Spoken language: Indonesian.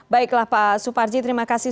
baiklah pak suparji terima kasih